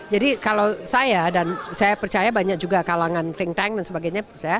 jadi kalau saya dan saya percaya banyak juga kalangan think tank dan sebagainya